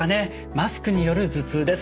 マスクによる頭痛です。